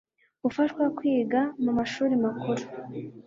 gufashwa kwiga mu mashuri makuru